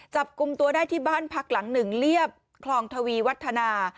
จับกลุ่มตัวได้ที่บ้านพักหลังหนึ่งเรียบคลองทวีวัฒนา